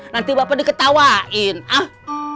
nanti bapak diketawain ah